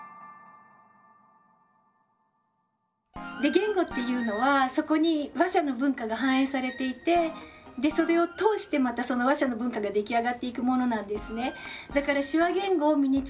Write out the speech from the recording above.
言語っていうのはそこに話者の文化が反映されていてそれを通してまたその話者の文化が出来上がっていくものなんですね。